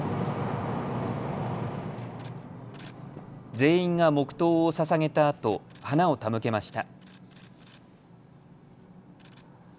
全員が黙とうをささげたあと花を手向けました。